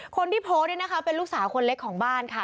คนที่โพสต์นี่นะคะเป็นลูกสาวคนเล็กของบ้านค่ะ